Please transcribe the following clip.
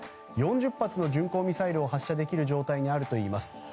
４０発の巡航ミサイルを発射できる状態にあるといいます。